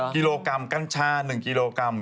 กิโลกรัมกัญชา๑กิโลกรัม